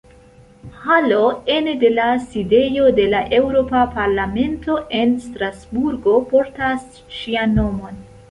Halo ene de la Sidejo de la Eŭropa Parlamento en Strasburgo portas ŝian nomon.